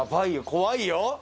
怖いよ。